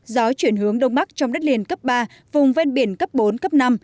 gió chuyển hướng đông bắc trong đất liền cấp ba vùng ven biển cấp bốn cấp năm